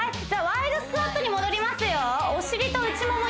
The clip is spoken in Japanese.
ワイドスクワットに戻りますよ